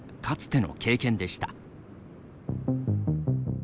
かつての経験でした。